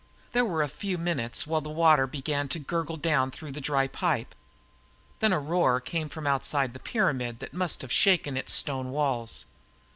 There were a few minutes while the water began to gurgle down through the dry pipe. Then a roar came from outside the pyramid that must have shaken its stone walls.